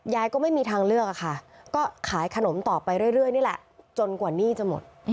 ก็ไม่มีทางเลือกอะค่ะก็ขายขนมต่อไปเรื่อยนี่แหละจนกว่าหนี้จะหมด